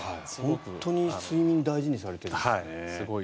本当に睡眠を大事にされてるんですね。